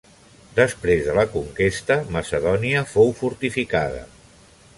Després de la conquesta macedònia fou fortificada.